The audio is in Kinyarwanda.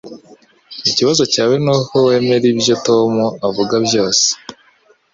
Ikibazo cyawe nuko wemera ibyo Tom avuga byose